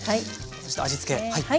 そして味付けはい。